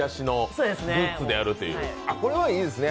これはいいですね。